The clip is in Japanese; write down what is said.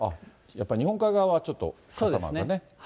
やっぱり日本海側はちょっと、傘マークがね。